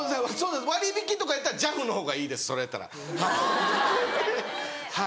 割引とかやったらＪＡＦの方がいいですそれやったらはい。